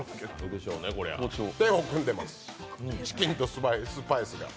手を組んでます、チキンとスパイス。